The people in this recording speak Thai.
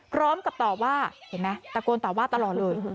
พร้อมกับตอบว่าเห็นไหมตะโกนตอบว่าตลอดเลย